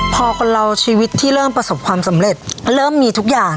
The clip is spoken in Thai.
พอคนเราชีวิตที่เริ่มประสบความสำเร็จเริ่มมีทุกอย่าง